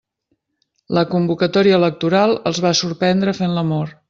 La convocatòria electoral els va sorprendre fent l'amor.